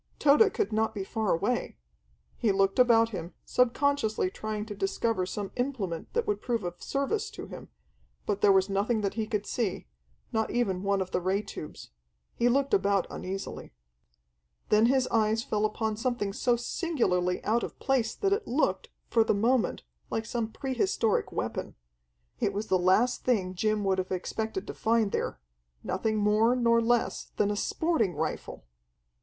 Tode could not be far away! He looked about him, subconsciously trying to discover some implement that would prove of service to him, but there was nothing that he could see, not even one of the ray tubes. He looked about uneasily. Then his eyes fell upon something so singularly out of place that it looked, for the moment, like some pre historic weapon. It was the last thing Jim would have expected to find there nothing more nor less than a sporting rifle!